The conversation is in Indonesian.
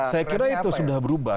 saya kira itu sudah berubah